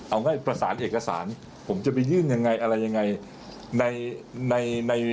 เอาง่ายประสานเอกสารผมจะไปยื่นยังไงอะไรยังไงในใน